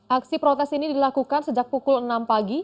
aksi protes ini dilakukan sejak pukul enam pagi